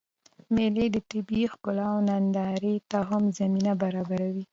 مېلې د طبیعي ښکلاوو نندارې ته هم زمینه برابروي.